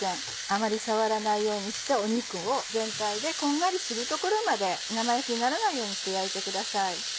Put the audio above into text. あまり触らないようにして肉を全体でこんがりするところまで生焼けにならないようにして焼いてください。